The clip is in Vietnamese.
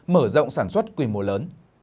mở rộng sản xuất quy mô lớn